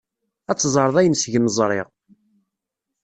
Ad teẓreḍ ayen seg-m ẓriɣ.